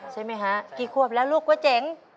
ใช่ไหมฮะกี่ขวบแล้วลูกก๋วยเจ๋ง